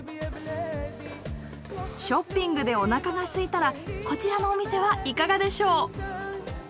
ショッピングでおなかがすいたらこちらのお店はいかがでしょう。